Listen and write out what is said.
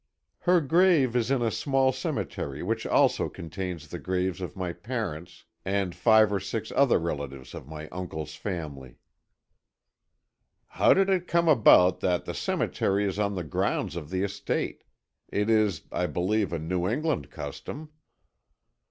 "Her grave is in a small cemetery which also contains the graves of my parents and five or six other relatives of my uncle's family." "How did it come about that the cemetery is on the grounds of the estate? It is, I believe, a New England custom."